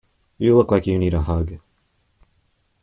You look like you need a hug!.